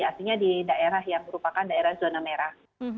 artinya di daerah yang merupakan daerah zona merah